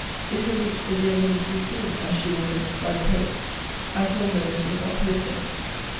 It will reach the dear woman too soon, (as she will think,) by the post. I told her this was not post day.